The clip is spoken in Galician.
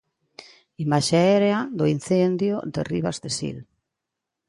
Imaxe aérea do incendio de Ribas de Sil.